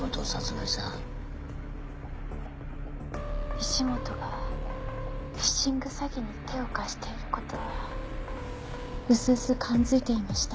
石本がフィッシング詐欺に手を貸している事はうすうす感づいていました。